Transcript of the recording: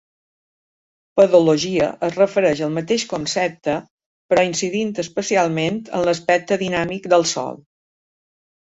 Pedologia es refereix al mateix concepte però incidint especialment en l'aspecte dinàmic del sòl.